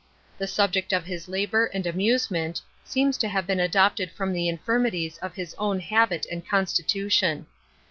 The subject of his labour and amusement, seems to have been adopted from the infirmities of his own habit and constitution.